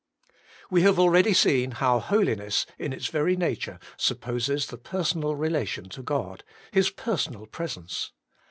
We have already seen how holiness in its very nature supposes the personal relation to God, His personal presence.